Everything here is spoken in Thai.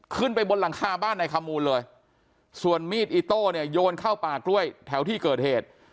ขึ้นไปบนหลังคาบ้านนายขมูลเลยส่วนมีดอิโต้เนี่ยโยนเข้าป่ากล้วยแถวที่เกิดเหตุ